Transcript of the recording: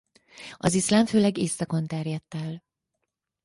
Az iszlám főleg északon terjedt el.